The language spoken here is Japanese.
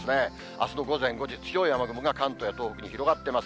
あすの午前５時、強い雨雲が関東や東北に広がってます。